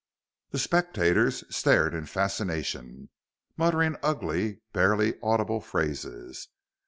The spectators stared in fascination, muttering ugly, barely audible phrases.